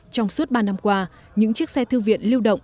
trong suốt ba năm qua những chiếc xe thư viện lưu động